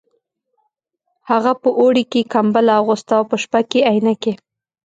هغه په اوړي کې کمبله اغوسته او په شپه کې عینکې